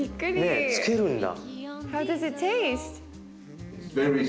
ねえつけるんだ。